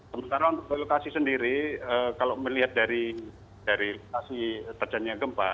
sementara untuk lokasi sendiri kalau melihat dari lokasi terjadinya gempa